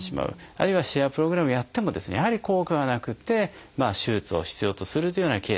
あるいはシェアプログラムをやってもやはり効果がなくて手術を必要とするというようなケースもあるんですね。